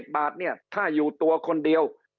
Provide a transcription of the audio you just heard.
๑๐บาทเนี่ยถ้าอยู่ตัวคนเดียว